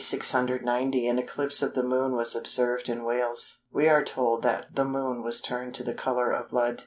D. 690 an eclipse of the Moon was observed in Wales. We are told that "the Moon was turned to the colour of blood."